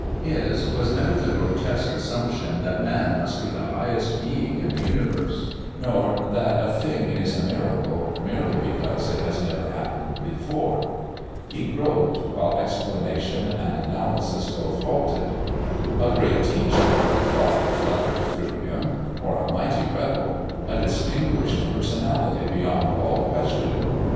His was never the grotesque assumption that man must be the highest being in the universe, nor that a thing is a miracle merely because it has never happened before. He groped, while explanation and analysis both halted. "A great teacher," thought fluttered through him, "or a mighty rebel! A distinguished personality beyond all question!